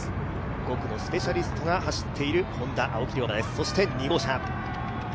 ５区のスペシャリストが走っているＨｏｎｄａ・青木涼真です。